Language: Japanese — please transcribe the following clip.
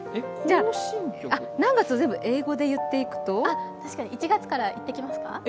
何月を全部、英語で言っていくと確かに、１月から言っていきますか？